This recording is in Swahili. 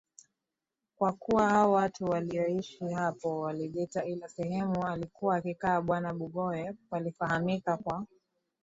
kwakuwa hao watu walioishi hapo walijita ile sehemu aliyokuwa akikaa bwana Bugoye palifahamika kwa